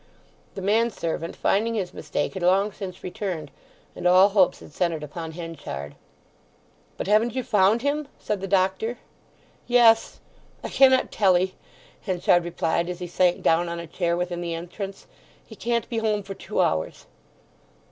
The manservant, finding his mistake, had long since returned, and all hopes had centred upon Henchard. "But haven't you found him?" said the doctor. "Yes.... I cannot tell 'ee!" Henchard replied as he sank down on a chair within the entrance. "He can't be home for two hours."